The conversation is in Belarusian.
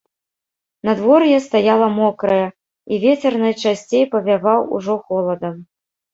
Надвор'е стаяла мокрае, і вецер найчасцей павяваў ужо холадам.